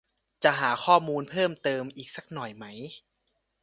จะหาข้อมูลเพิ่มเติมอีกสักหน่อยไหม